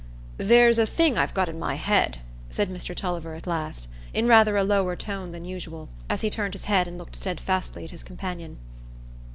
"There's a thing I've got i' my head," said Mr Tulliver at last, in rather a lower tone than usual, as he turned his head and looked steadfastly at his companion.